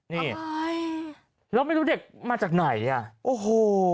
นี่ใช่แล้วไม่รู้เด็กมาจากไหนอ่ะโอ้โห